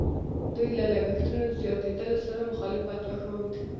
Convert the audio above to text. دوی له لګښتونو زیاتېدلو سره مخالفت وښود.